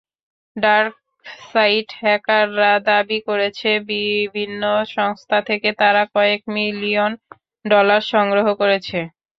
ডার্কসাইট হ্যাকাররা দাবি করেছে, বিভিন্ন সংস্থা থেকে তারা কয়েক মিলিয়ন ডলার সংগ্রহ করেছে।